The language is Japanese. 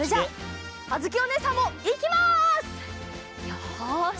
よし！